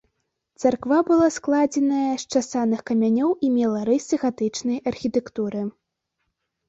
Царква была складзеная з часаных камянёў і мела рысы гатычнай архітэктуры.